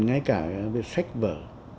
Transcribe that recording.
ngay cả về sách vở